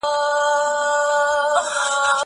زه له سهاره کتابتوني کار کوم!